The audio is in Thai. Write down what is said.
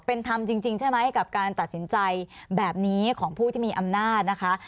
เป็นธรรมจริงใช่ไหมกับการตัดสินใจแบบนี้ของผู้ที่มีอำนาจนะคะ